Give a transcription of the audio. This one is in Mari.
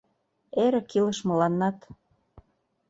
Эрык илыш мыланнат;